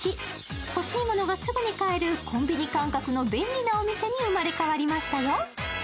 欲しいものがすぐに買えるコンビニ感覚の便利なお店に生まれ変わりましたよ。